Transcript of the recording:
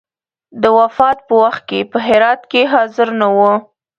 د وفات په وخت کې په هرات کې حاضر نه وو.